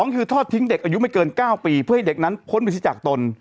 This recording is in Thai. คือทอดทิ้งเด็กอายุไม่เกิน๙ปีเพื่อให้เด็กนั้นพ้นไปที่จากตน